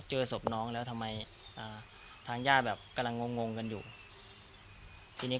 เจอศพน้องแล้วทำไมอ่าทางญาติแบบกำลังงงงงกันอยู่ทีนี้